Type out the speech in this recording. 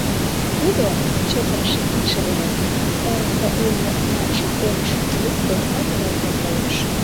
Тудо чытырыше кидше дене староста улмо знакшым оҥыш лукто да пералтен колтыш.